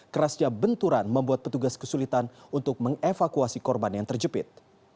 kerasnya benturan membuat petugas kesulitan untuk mengevakuasi korban yang terjepit